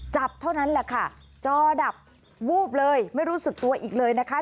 เท่านั้นแหละค่ะจอดับวูบเลยไม่รู้สึกตัวอีกเลยนะคะ